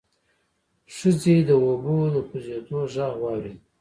ښځې د اوبو د کوزېدو غږ واورېد.